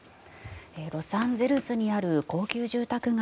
ロサンゼルスにある高級住宅街